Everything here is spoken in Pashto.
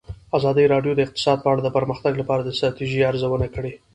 ازادي راډیو د اقتصاد په اړه د پرمختګ لپاره د ستراتیژۍ ارزونه کړې.